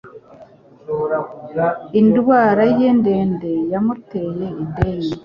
Indwara ye ndende yamuteye ideni